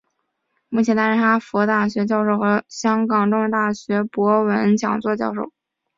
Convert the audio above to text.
目前担任哈佛大学教授和香港中文大学博文讲座教授。